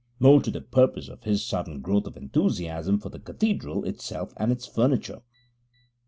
More to the purpose is his sudden growth of enthusiasm for the Cathedral itself and its furniture.